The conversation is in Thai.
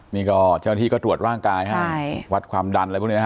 นี่เฉพาะที่ก็ตรวจร่างกายวัดความดันอะไรพวกนี้